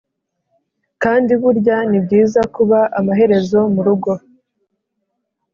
kandi burya nibyiza kuba amaherezo murugo.